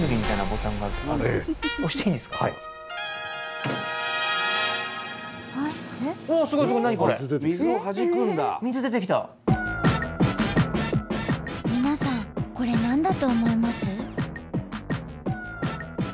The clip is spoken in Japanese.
スタジオこれ何だと思います？